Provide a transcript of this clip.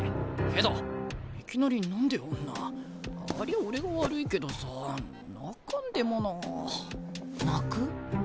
けどいきなり何であんなありゃあ俺が悪いけどさ泣かんでもなあ。泣く？